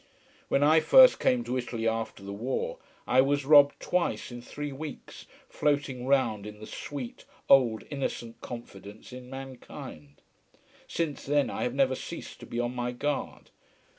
When I first came to Italy after the war I was robbed twice in three weeks, floating round in the sweet old innocent confidence in mankind. Since then I have never ceased to be on my guard.